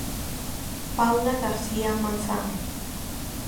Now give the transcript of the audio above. Paula García Manzano.